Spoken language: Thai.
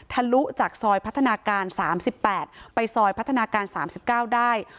ลุจากซอยพัฒนาการ๓๘ไปซอยพัฒนาการ๓๙ได้